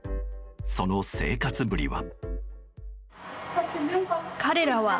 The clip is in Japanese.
その生活ぶりは。